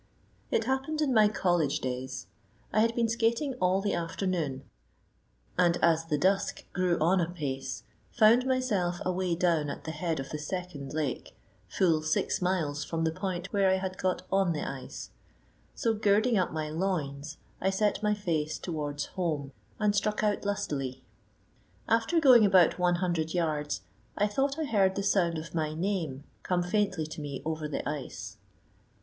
It happened in my college days. I had been skating all the afternoon, and, as the dusk grew on apace, found myself away down at the head of the second lake, full six miles from the point where I had got on the ice; so, girding up my loins, I set my face towards home, and struck out lustily. After going about one hundred yards, I thought I heard the sound of my name come faintly to me over the ice.